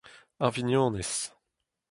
ar vignonez